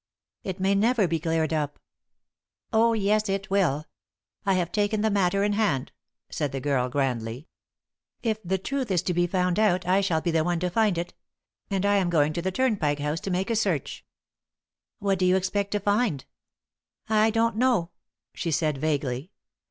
"It may never be cleared up." "Oh yes, it will. I have taken the matter in hand," said the girl, grandly. "If the truth is to be found out, I shall be the one to find it. And I am going to the Turnpike House to make a search." "What do you expect to find?" "I don't know," she said, vaguely.